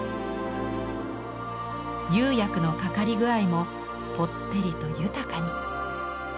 釉薬のかかり具合もぽってりと豊かに。